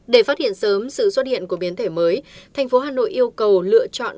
để phát hiện sớm sự xuất hiện của biến thể mới thành phố hà nội yêu cầu lựa chọn